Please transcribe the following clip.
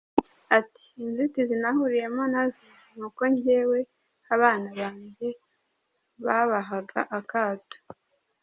Ati “Inzitizi nahuriyemo nazo ni uko njyewe abana banjye babahaga akato.